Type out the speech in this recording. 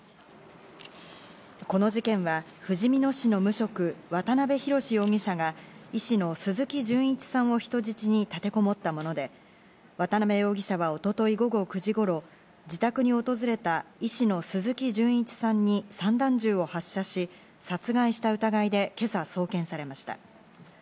この事件は、ふじみ野市の無職・渡辺宏容疑者が医師の鈴木純一さんを人質に立てこもったもので、渡辺容疑者は一昨日午後９時頃、自宅に訪れた医師の鈴木純一さんに散弾銃を発射し、殺害した疑いで今朝、送検されました。